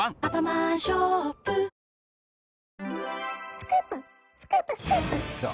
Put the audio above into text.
「スクープスクープスクープ」きた。